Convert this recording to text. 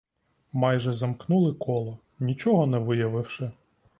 Майже замкнули коло, нічого не виявивши.